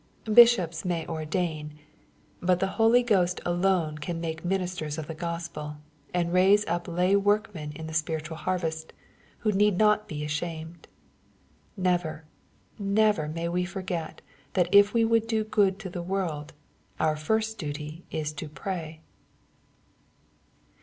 Bishops may ordain. But the Holy Ghost alone can make ministers of the Gospel, and raise up lay workmen in the spiritual harvest^ who need not he ashamed. Never, never may we forget that if we would do good to the world, our first duty is to pray